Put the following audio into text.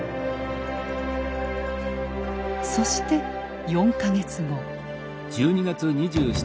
そして４か月後。